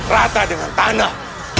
rata dengan tanah